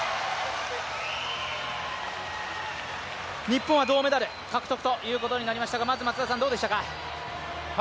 日本は銅メダル獲得ということになりましたがまず、松田さんどうでしたか。